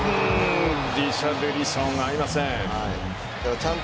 リシャルリソン、合いません。